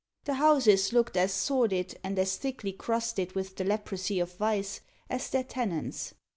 The houses looked as sordid, and as thickly crusted with the leprosy of vice, as their tenants.